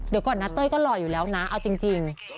เดี๋ยวก่อนนะเต้ยก็หล่ออยู่แล้วนะเอาจริง